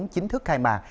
chính thức khai mạng